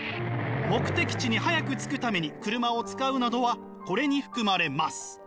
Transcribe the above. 目的地に早く着くために車を使うなどはこれに含まれます。